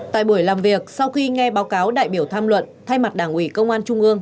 tại buổi làm việc sau khi nghe báo cáo đại biểu tham luận thay mặt đảng ủy công an trung ương